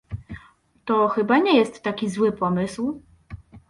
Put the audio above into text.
To chyba nie jest taki zły pomysł?